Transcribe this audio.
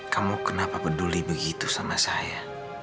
kamu kenapa peduli begitu sama saya